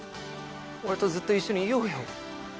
俺とずっと一緒にいようよ。